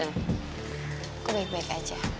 aku baik baik aja